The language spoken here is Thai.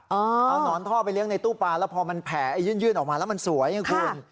เอานอนท่อไปเลี้ยในตู้ปลาแล้วพอมันแผ่ยื่นออกมาแล้วมันสวยไงคุณ